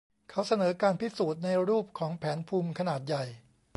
เขาเสนอการพิสูจน์ในรูปของแผนภูมิขนาดใหญ่